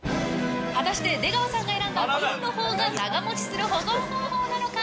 果たして出川さんが選んだＢのほうが長持ちする保存方法なのか？